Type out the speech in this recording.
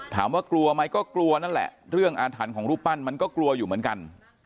กลัวไหมก็กลัวนั่นแหละเรื่องอาถรรพ์ของรูปปั้นมันก็กลัวอยู่เหมือนกัน